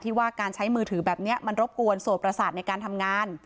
ว่าการใช้มือถือแบบนี้มันรบกวนโสดประสาทในการทำงาน